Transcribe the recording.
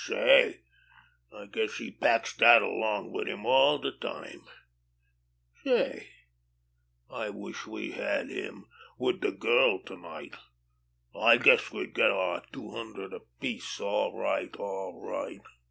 Say, I guess he packs dat along wid him all de time. Say, I wish we had him wid de girl to night—I guess we'd get our two hundred apiece, all right, all right."